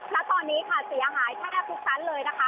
ณตอนนี้ค่ะเสียหายแทบทุกชั้นเลยนะคะ